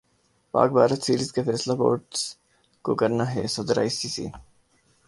پاک بھارت سیریز کا فیصلہ بورڈ زکو کرنا ہےصدر ائی سی سی